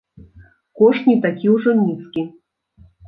Кошт не такі ўжо нізкі.